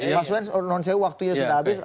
mas wend nonsensi waktunya sudah habis